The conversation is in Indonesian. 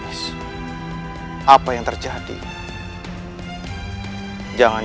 dia itu di karvlwan